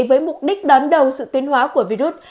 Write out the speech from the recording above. với mục đích đón đầu sự tuyên hóa của virus